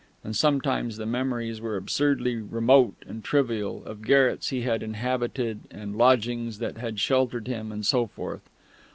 And sometimes the memories were absurdly remote and trivial, of garrets he had inhabited and lodgings that had sheltered him, and so forth.